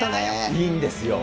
いいんですよ。